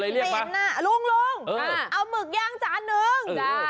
ลุงเอามึกย่างจานึง